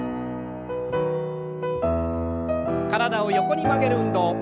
体を横に曲げる運動。